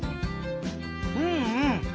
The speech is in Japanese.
うんうん。